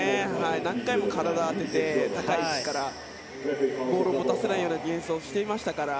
何回も体を高い位置から当ててボールを持たせないようなディフェンスをしてましたから。